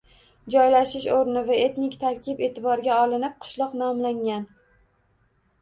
Joylashish o‘rni va etnik tarkib e’tiborga olinib qishloq nomlangan.